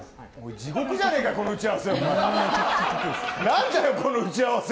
地獄じゃないかこの打ち合わせ。